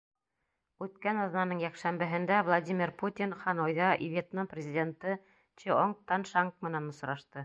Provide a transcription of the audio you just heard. Үткән аҙнаның йәкшәмбеһендә Владимир Путин Ханойҙа Вьетнам президенты Чыонг Тан Шанг менән осрашты.